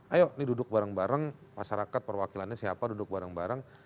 ayo ini duduk bareng bareng masyarakat perwakilannya siapa duduk bareng bareng